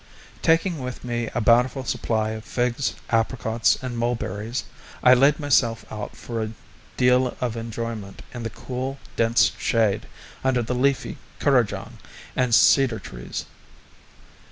Taking with me a bountiful supply of figs, apricots, and mulberries, I laid myself out for a deal of enjoyment in the cool dense shade under the leafy kurrajong and cedar trees.